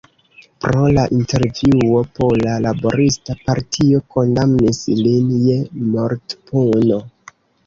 Pro la intervjuo Pola Laborista Partio kondamnis lin je mortpuno.